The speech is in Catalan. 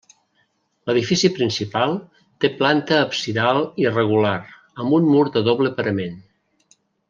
L'edifici principal té planta absidal irregular, amb un mur de doble parament.